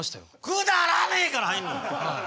「くだらね」から入んの⁉はい。